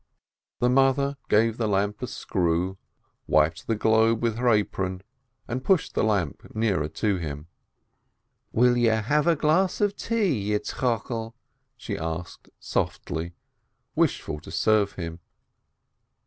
The mother gave the lamp a screw, wiped the globe with her apron, and pushed the lamp nearer to him. A SCHOLAR'S MOTHER 521 "Will you have a glass of tea, Yitzchokel ?" she asked softly, wishful to serve him.